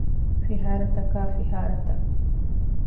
ފިހާރަތަކާ ފިހާރަތައް